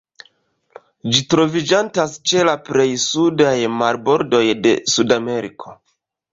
Ĝi troviĝantas ĉe la plej sudaj marbordoj de Sudameriko.